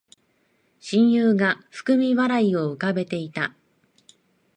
親友が含み笑いを浮かべていた